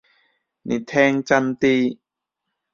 你聽真啲！